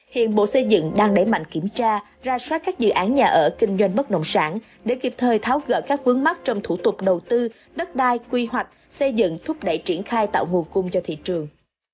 hiện bộ xây dựng đang đẩy mạnh kiểm tra ra soát các dự án nhà ở kinh doanh bất động sản để kịp thời tháo gỡ các vướng mắt trong thủ tục đầu tư đất đai quy hoạch xây dựng thúc đẩy triển khai tạo nguồn cung cho thị trường